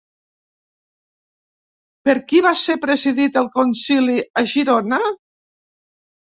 Per qui va ser presidit el concili a Girona?